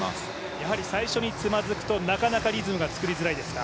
やはり最初につまずくとなかなかリズムが作りづらいですか。